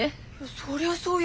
そりゃそうよ